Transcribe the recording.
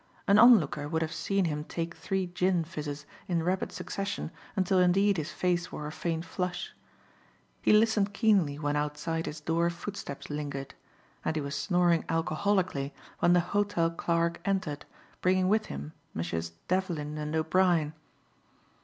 An onlooker would have seen him take three gin fizzes in rapid succession until indeed his face wore a faint flush. He listened keenly when outside his door footsteps lingered. And he was snoring alcoholically when the hotel clerk entered, bringing with him Messrs. Devlin and O'Brien.